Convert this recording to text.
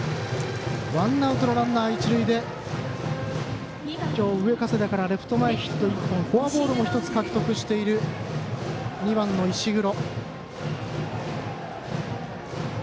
ワンアウト、ランナー、一塁で上加世田からレフト前ヒット１本フォアボールを１つ獲得している２番の石黒。